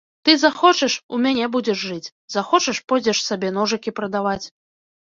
Ты захочаш, у мяне будзеш жыць, захочаш, пойдзеш сабе ножыкі прадаваць.